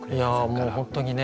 もう本当にね